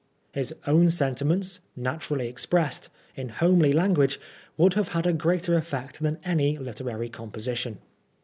His own sentiments, naturally expressed, in homely language, would have had a greater effect than any literary composition.